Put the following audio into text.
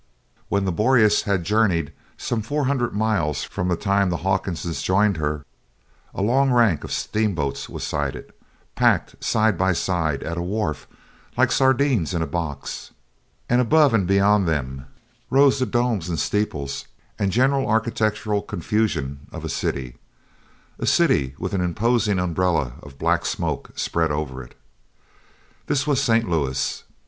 When the Boreas had journeyed some four hundred miles from the time the Hawkinses joined her, a long rank of steamboats was sighted, packed side by side at a wharf like sardines, in a box, and above and beyond them rose the domes and steeples and general architectural confusion of a city a city with an imposing umbrella of black smoke spread over it. This was St. Louis.